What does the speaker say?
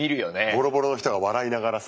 ボロボロの人が笑いながらさ。